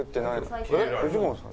フジモンさん。